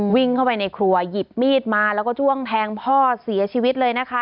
วิ่งเข้าไปในครัวหยิบมีดมาแล้วก็จ้วงแทงพ่อเสียชีวิตเลยนะคะ